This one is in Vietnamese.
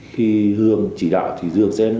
khi hương chỉ đạo thì dương xem